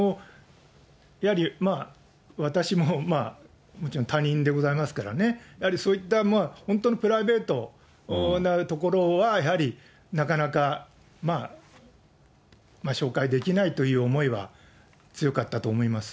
やはり私ももちろん他人でございますからね、やはりそういった本当にプライベートなところは、やはりなかなか紹介できないという思いは、強かったと思います。